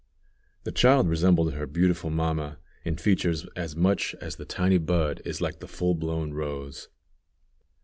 The child resembled her beautiful mamma in features as much as the tiny bud is like the full blown rose.